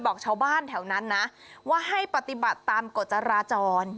บอกชาวบ้านแถวนั้นนะว่าให้ปฏิบัติตามกฎจราจร